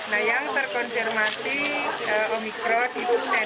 nah yang terkonfirmasi omikron itu